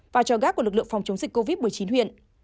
vào tròi gác của lực lượng phòng chống dịch covid một mươi chín huyện